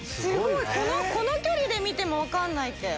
この距離で見ても分かんないって。